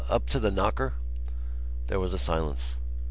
up to the knocker?" There was a silence.